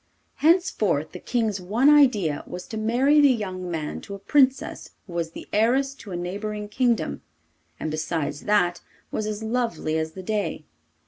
Henceforth the King's one idea was to marry the young man to a Princess who was the heiress to a neighbouring kingdom, and, besides that, was as lovely as the day.